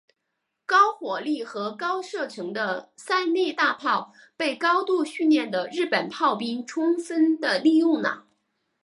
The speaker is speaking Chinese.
高火力和高射程的三笠大炮被高度训练的日本炮兵充分地利用了。